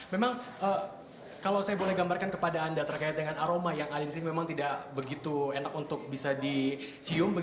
memang kalau saya boleh gambarkan kepada anda terkait dengan aroma yang ada di sini memang tidak begitu enak untuk bisa dicium